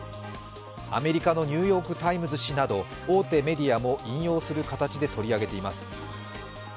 アメリカの「ニューヨーク・タイムズ」紙など大手メディアも引用する形で取り上げています。